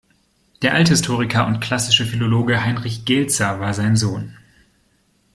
Der Althistoriker und Klassische Philologe Heinrich Gelzer war sein Sohn.